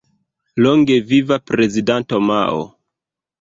Longe Viva Prezidanto Mao!